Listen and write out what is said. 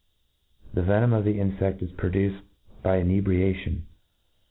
The venom of the infeft is produced by ^ inebriation.